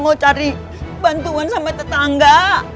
mau cari bantuan sama tetangga